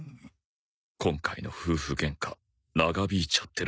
今回の夫婦ゲンカ長引いちゃってるみたいよ。